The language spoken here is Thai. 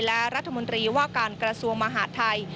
และรัฐมนตรีว่าการกระทรวงมหาดไทย